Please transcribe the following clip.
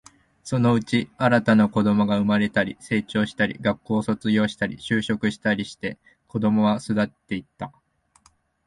そのうち、新たな子供が生まれたり、成長したり、学校を卒業したり、就職したりして、子供は巣立っていった